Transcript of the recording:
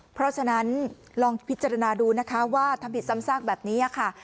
เพราะฉะนั้นลองพิจารณาดูนะคะว่าทำผิดซ้ำซากแบบนี้ค่ะ